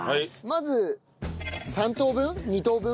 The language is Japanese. まず３等分？